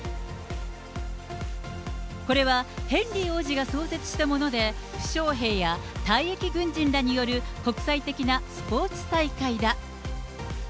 これはヘンリー王子が創設したもので、負傷兵や退役軍人らによる国際的なスポーツ大会だ。